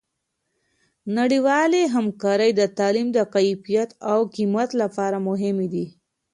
نړیوالې همکارۍ د تعلیم د کیفیت او کمیت لپاره مهمې دي.